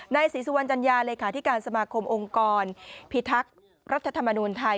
ศรีสุวรรณจัญญาเลขาธิการสมาคมองค์กรพิทักษ์รัฐธรรมนูญไทย